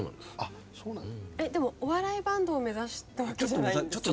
でもお笑いバンドを目指したわけじゃない。